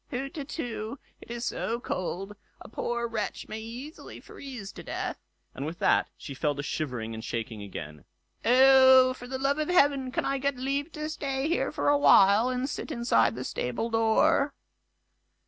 "Hutetu! it is so cold, a poor wretch may easily freeze to death"; and with that she fell to shivering and shaking again. "Oh! for the love of heaven, can I get leave to stay here a while, and sit inside the stable door?"